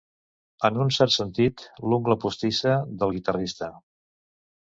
En un cert sentit, l'ungla postissa del guitarrista.